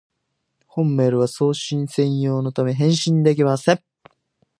本メールは送信専用のため、返信できません